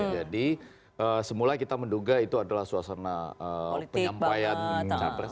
jadi semula kita menduga itu adalah suasana penyampaian capres